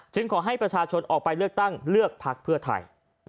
ขอให้ประชาชนออกไปเลือกตั้งเลือกพักเพื่อไทย